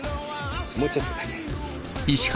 もうちょっとだけ。